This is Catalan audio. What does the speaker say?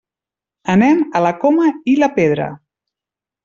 Anem a la Coma i la Pedra.